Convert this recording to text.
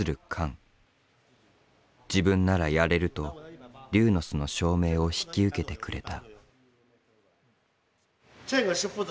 自分ならやれると龍の巣の照明を引き受けてくれた。